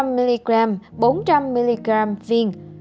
piravir hai trăm linh mg bốn trăm linh mg viên